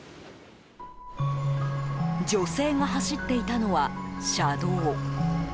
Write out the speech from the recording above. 女性が走っていたのは車道。